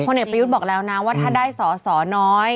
เด็กประยุทธ์บอกแล้วนะว่าถ้าได้สอสอน้อย